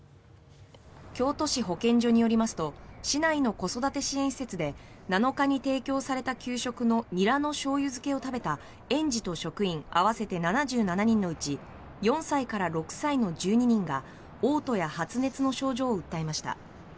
京都市保健所によりますと市内の子育て支援施設で７日に提供された給食のニラのしょうゆ漬けを食べた園児と職員合わせて７７人のうち４歳から６歳の１２人がおう吐や発熱の症状を訴えました。